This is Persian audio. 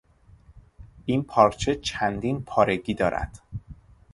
این پارچه چندین پارگی دارد.